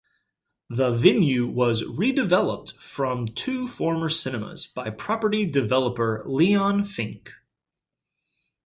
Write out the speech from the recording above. The venue was redeveloped, from two former cinemas, by property developer Leon Fink.